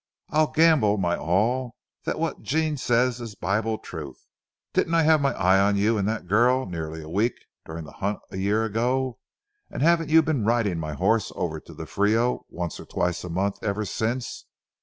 I'll gamble my all that what Jean says is Bible truth. Didn't I have my eye on you and that girl for nearly a week during the hunt a year ago, and haven't you been riding my horses over to the Frio once or twice a month ever since?